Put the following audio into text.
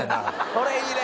「それいいね！」